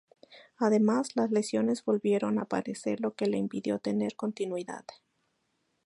Además, las lesiones volvieron a aparecer, lo que le impidió tener continuidad.